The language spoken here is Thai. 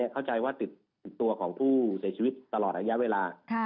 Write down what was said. เข้าใจว่าติดตัวของผู้เสียชีวิตตลอดระยะเวลา